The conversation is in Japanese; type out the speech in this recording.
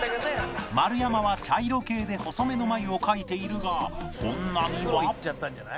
丸山は茶色系で細めの眉を描いているが本並は